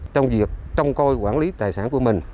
trong việc trông coi quản lý tài sản của mình